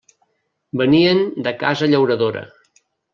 Venien de casa llauradora.